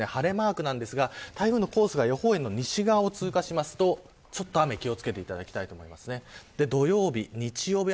関東や東海地方、名古屋も晴れマークなんですが台風のコースが予報円の西側を通過すると雨に気を付けていただきたいと思います。